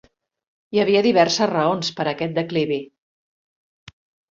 Hi havia diverses raons per a aquest declivi.